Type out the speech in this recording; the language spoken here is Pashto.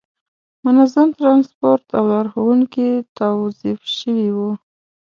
منظم ترانسپورت او لارښوونکي توظیف شوي وو.